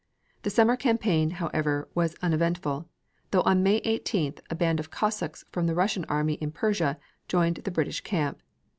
The summer campaign, however, was uneventful, though on May 18th a band of Cossacks from the Russian armies in Persia joined the British camp.